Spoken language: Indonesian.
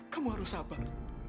kamu harus sabar